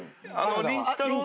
りんたろー。